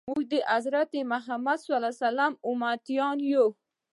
موږ د حضرت محمد صلی الله علیه وسلم امتیان یو.